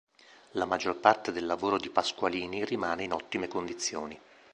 La maggior parte del lavoro di Pasqualini rimane in ottime condizioni.